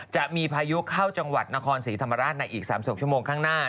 จะมีพายุเข้าจังหวัดนครศรีธรรมราชในอีก๓๖ชั่วโมงข้างหน้า